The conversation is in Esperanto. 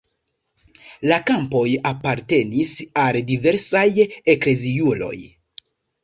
La kampoj apartenis al diversaj ekleziuloj.